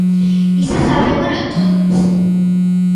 Iso sabémolo todos.